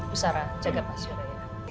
usara jaga pak surya ya